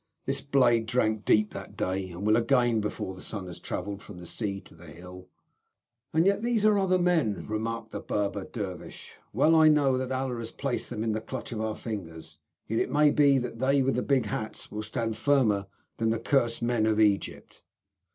This blade drank deep that day, and will again before the sun has travelled from the sea to the hill." "And yet these are other men," remarked the Berber dervish. "Well, I know that Allah has placed them in the clutch of our fingers, yet it may be that they with the big hats will stand firmer than the cursed men of Egypt."